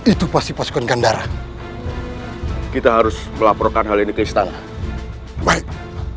itu pasti pasukan gandara kita harus melaporkan hal ini ke istana baik